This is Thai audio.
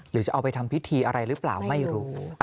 หรือจะเอาไปทำพิธีอะไรหรือเปล่าไม่รู้